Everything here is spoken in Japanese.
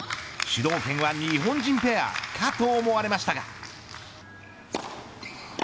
主導権は日本人ペアかと思われましたが。